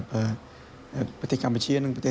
โปรดติดตามตอนต่อไป